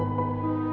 oh siapa ini